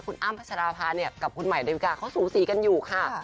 คุณอ้ำพัชราภาเนี่ยกับคุณหมายเดวิกาเขาสูสีกันอยู่ค่ะ